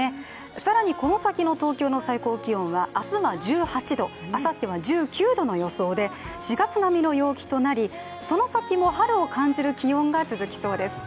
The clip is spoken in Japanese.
更にこの先の東京の気温は１８度あさっては１９度の予想で４月並みの陽気となりその先も春を感じる気温が続きそうです。